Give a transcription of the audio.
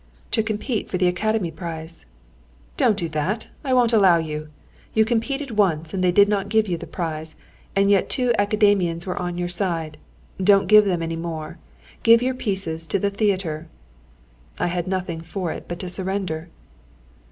"To compete for the Academy prize." "Don't do that! I won't allow you. You competed once, and they did not give you the prize, and yet two Academicians were on your side; don't give them any more. Give your pieces to the theatre." I had nothing for it but to surrender.